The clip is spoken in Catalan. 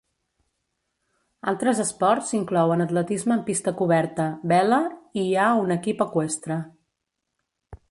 Altres esports inclouen atletisme en pista coberta, vela i hi ha un equip eqüestre.